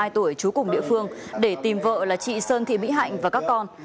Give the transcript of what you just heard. năm mươi hai tuổi chú cùng địa phương để tìm vợ là chị sơn thị mỹ hạnh và các con